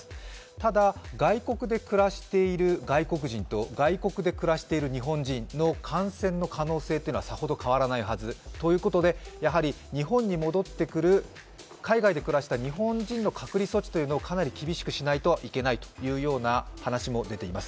ただ、外国で暮らしている外国人と外国で暮らしている日本人の感染の可能性というのはさほど変わらないはずということで、日本に戻ってくる海外で暮らして日本人の隔離措置をかなり厳しくしなければいけないという話も出ています。